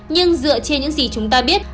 nhưng dựa trên những gì chúng ta biết